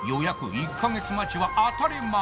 １か月待ちは当たり前！